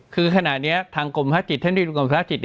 คือขณะนี้ทางกรมภาพจิต